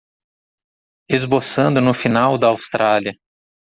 Esboçando no final da Austrália